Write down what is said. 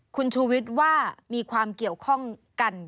คุณชูวิทย์ว่ามีความเกี่ยวข้องกัน